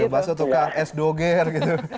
bakso tukang es doger gitu